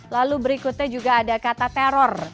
lalu berikutnya juga ada kata teror